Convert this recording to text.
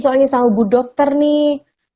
soalnya ini sama budokter nih